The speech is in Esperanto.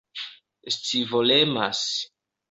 scivolemas